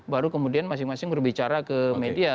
baru kemudian masing masing berbicara ke media